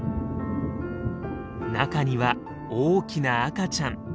中には大きな赤ちゃん。